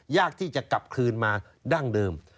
ยากที่จะกลับคืนมาดั้งเดิม